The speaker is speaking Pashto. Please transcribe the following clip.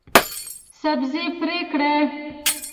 سبزي پرې کړئ